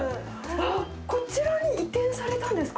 あっ、こちらに移転されたんですか？